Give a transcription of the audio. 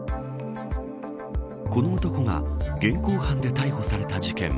この男が現行犯で逮捕された事件。